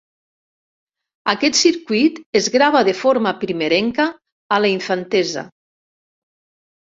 Aquest circuit es grava de forma primerenca a la infantesa.